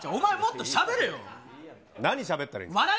何しゃべったらいいんだよ。